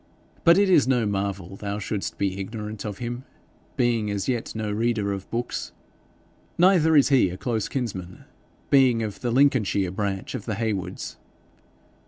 But it is no marvel thou shouldest be ignorant of him, being as yet no reader of books. Neither is he a close kinsman, being of the Lincolnshire branch of the Heywoods.'